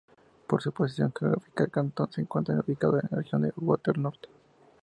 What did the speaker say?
Por su posición geográfica, el cantón se encuentra ubicado en la Región Huetar Norte.